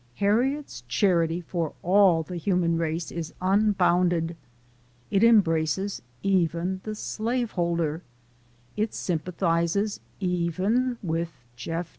Harriet's charity for all the human race is un bounded. It embraces even the slaveholder it sympathizes even with Jeff.